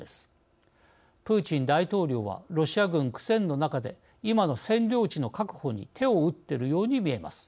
プーチン大統領はロシア軍苦戦の中で今の占領地の確保に手を打っているようにみえます。